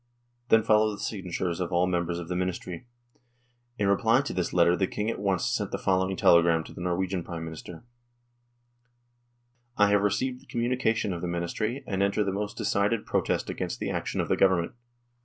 Then follow the signatures of all the members of the Ministry. In reply to this letter the King at once sent the following telegram to the Norwegian Prime Minister :" I have received the communication of the Ministry, and enter the most decided protest against the action of the Government."